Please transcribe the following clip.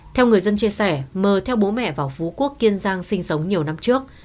theo người dân chia sẻ mờ theo bố mẹ vào phú quốc kiên giang sinh sống nhiều năm trước